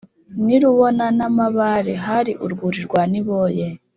n’i rubona na mabare) hari urwuri rwa niboye